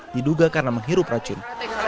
diduga karena menghirup racun